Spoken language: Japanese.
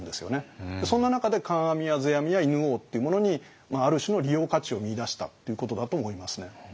そんな中で観阿弥や世阿弥や犬王っていうものにある種の利用価値を見いだしたっていうことだと思いますね。